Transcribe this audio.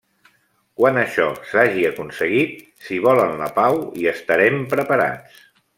Quan això s'hagi aconseguit, si volen la pau, hi estarem preparats.